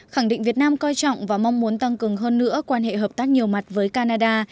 khẳng định việt nam coi trọng và mong muốn tăng cường hơn nữa quan hệ hợp tác nhiều mặt với canada